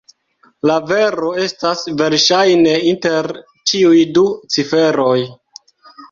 La vero estas verŝajne inter tiuj du ciferoj.